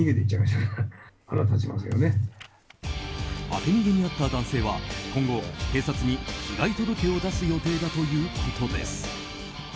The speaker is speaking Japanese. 当て逃げに遭った男性は今後警察に被害届を出す予定だということです。